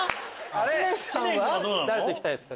知念さんは誰と行きたいですか？